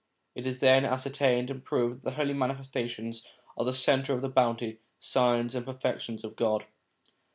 It is then ascertained and proved that the Holy Manifestations are the centre of the bounty, signs, and perfections of God.